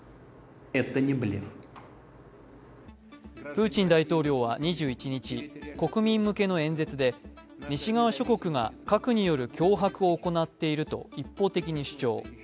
プーチン大統領は２１日国民向けの演説で西側諸国が核による脅迫を行っていると一方的に主張。